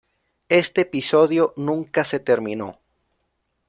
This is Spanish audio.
Este episodio nunca se terminó.